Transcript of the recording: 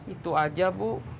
itu aja bu